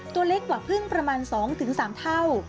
ตัวเล็กกว่าพึ่งประมาณ๒๓เท่า